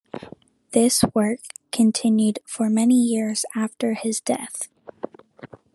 This work continued for many years after his death.